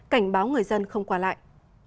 cảnh báo người dân không qua lại